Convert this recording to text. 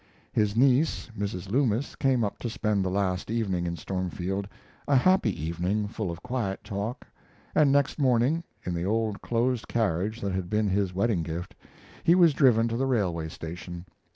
His niece, Mrs. Loomis, came up to spend the last evening in Stormfield, a happy evening full of quiet talk, and next morning, in the old closed carriage that had been his wedding gift, he was driven to the railway station.